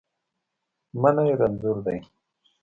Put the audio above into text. منی رنځور دی